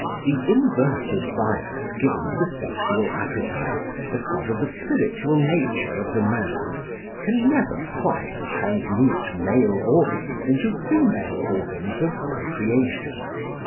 The inverted bias given to the sexual appetite, as part of the spiritual nature of the man, can never quite transmute male organs into female organs of procreation.